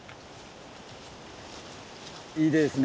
いいですね。